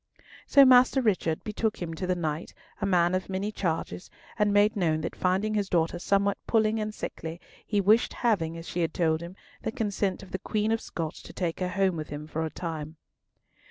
So Master Richard betook him to the knight, a man of many charges, and made known that finding his daughter somewhat puling and sickly, he wished having, as she told him, the consent of the Queen of Scots, to take her home with him for a time.